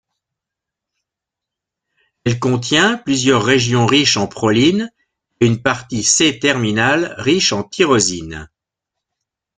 Elle contient plusieurs régions riches en proline et une partie C-terminale riche en tyrosine.